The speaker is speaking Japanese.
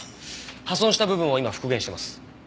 破損した部分を今復元してます。